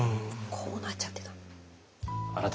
こうなっちゃってた。